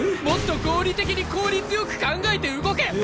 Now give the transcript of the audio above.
もっと合理的に効率良く考えて動け！